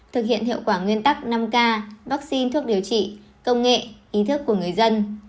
thực hiện hiệu quả nguyên tắc năm k vaccine thuốc điều trị công nghệ ý thức của người dân